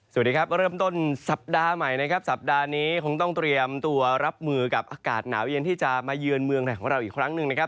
สวัสดีครับเริ่มต้นสัปดาห์ใหม่นะครับสัปดาห์นี้คงต้องเตรียมตัวรับมือกับอากาศหนาวเย็นที่จะมาเยือนเมืองไทยของเราอีกครั้งหนึ่งนะครับ